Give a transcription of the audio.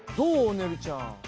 ねるちゃん。